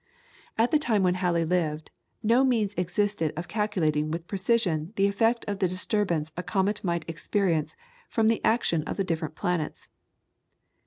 At the time when Halley lived, no means existed of calculating with precision the effect of the disturbance a comet might experience from the action of the different planets.